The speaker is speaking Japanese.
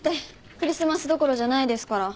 クリスマスどころじゃないですから。